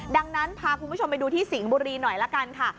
ดังนั้นพาคุณผู้ชมไปดูที่สิงห์บุรีหน่อยละกันค่ะ